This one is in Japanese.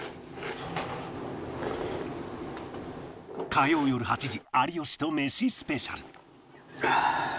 火曜よる８時「有吉とメシ」スペシャル